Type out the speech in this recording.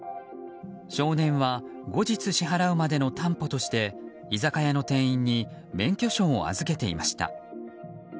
少年は後日支払うまでの担保として居酒屋の店員に免許証を預けていました。